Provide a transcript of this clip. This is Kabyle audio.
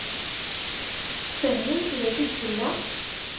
Tfehmemt d acu i d-tenna?